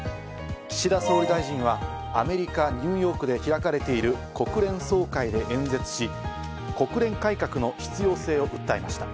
岸田総理大臣はアメリカ・ニューヨークで開かれている国連総会で演説し、国連改革の必要性を訴えました。